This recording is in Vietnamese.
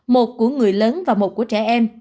một của người lớn và một của trẻ em